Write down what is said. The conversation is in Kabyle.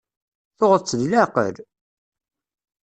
Tuɣeḍ-tt deg leɛqel?